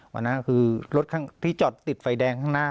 วันนั้นคือรถข้างพี่จอดติดไฟแดงข้างหน้า